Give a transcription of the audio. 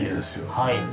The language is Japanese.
はい。